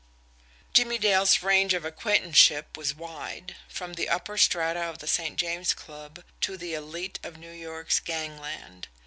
Jimmie Dale's range of acquaintanceship was wide from the upper strata of the St. James Club to the elite of New York's gangland.